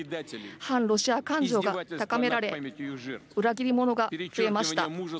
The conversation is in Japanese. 反ロシア感情が高められ裏切り者が増えました。